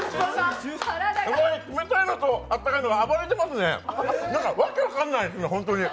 冷たいのとあったかいのと暴れてますね、訳分かんないですね。